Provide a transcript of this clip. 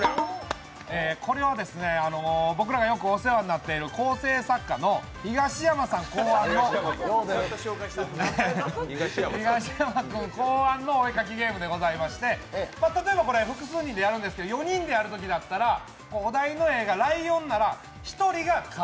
これは僕らがよくお世話になっている構成作家のヒガシヤマさん考案のお絵描きゲームでございまして例えば複数人でやるんですけど４人でやるんだったらお題の絵がライオンなら、１人が顔、